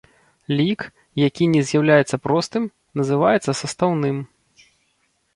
Лік, які не з'яўляецца простым, называецца састаўным.